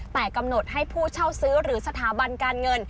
แต่กำหนดให้ผู้เช่าซื้อหรือสถาบันการเงิน